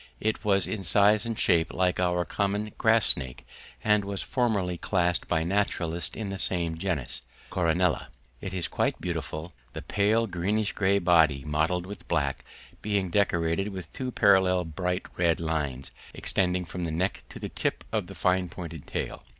It was in size and shape like our common grass snake, and was formerly classed by naturalists in the same genus, Coronella. It is quite beautiful, the pale greenish grey body, mottled with black, being decorated with two parallel bright red lines extending from the neck to the tip of the fine pointed tail.